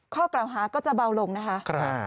ข้อกล่าวหาก็จะเบาลงนะคะ